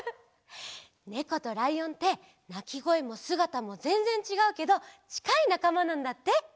ねことらいおんってなきごえもすがたもぜんぜんちがうけどちかいなかまなんだって。